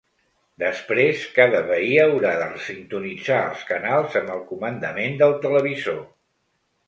Després, cada veí haurà de resintonitzar els canals amb el comandament del televisor.